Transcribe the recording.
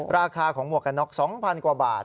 ราคาของหมวกกันน็อก๒๐๐กว่าบาท